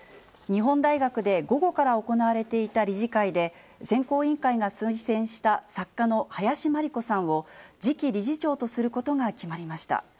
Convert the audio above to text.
日本大学で午後から行われていた理事会で、選考委員会が推薦した作家の林真理子さんを、次期理事長とすることが決まりました。